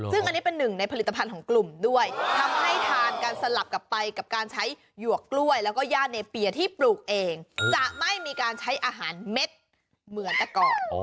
ซึ่งอันนี้เป็นหนึ่งในผลิตภัณฑ์ของกลุ่มด้วยทำให้ทานกันสลับกลับไปกับการใช้หยวกกล้วยแล้วก็ย่าเนเปียที่ปลูกเองจะไม่มีการใช้อาหารเม็ดเหมือนแต่ก่อน